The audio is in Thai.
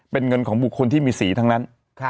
เป็นเงินของบุคคลที่มีสีทั้งนั้น